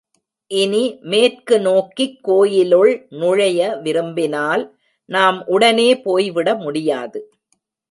இனி மேற்கு நோக்கிக் கோயிலுள் நுழைய விரும்பினால் நாம் உடனே போய்விட முடியாது.